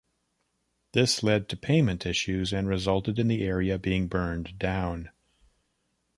This led to payment issues and resulted in the area being burned down.